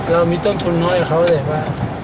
เรามีต้นทุนเหลือให้เขาแสดกว่า